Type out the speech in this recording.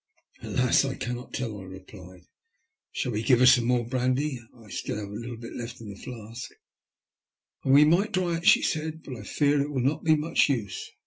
" Alas ! I cannot tell," I replied. " Shall we give her some more brandy ? I have still a little left in the flask." " We might try it," she said. " But I fear it will not be much use.